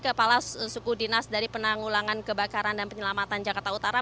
kepala suku dinas dari penanggulangan kebakaran dan penyelamatan jakarta utara